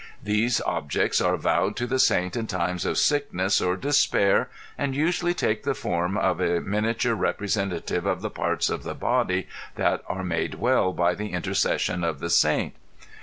These objects are vowed to the saint in times of sickness or despair and usually take the form of a miniature representative of the parts of the body that are made well by the intercession of the saint.